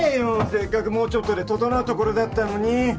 せっかくもうちょっとで整うところだったのに！